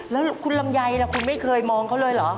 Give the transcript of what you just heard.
แล้วคุณลำไยล่ะคุณไม่เคยมองเขาเลยเหรอ